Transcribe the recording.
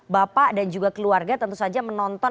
bapak dan juga keluarga tentu saja menonton